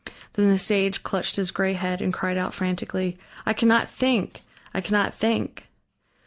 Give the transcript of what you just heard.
Then the sage clutched his gray head and cried out frantically: "I cannot think! I cannot think!"